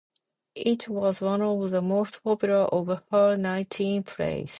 It was one of five most popular of her nineteen plays.